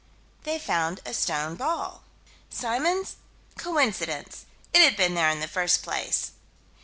They found a stone ball. Symons: Coincidence. It had been there in the first place.